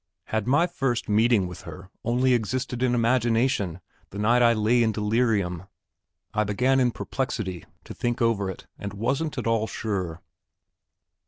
Had my first meeting with her only existed in imagination the night I lay in delirium? I began in perplexity to think over it, and wasn't at all sure.